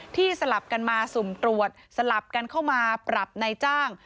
สลับกันมาสุ่มตรวจสลับกันเข้ามาปรับในจ้าง